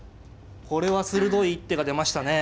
これは鋭い一手が出ましたね。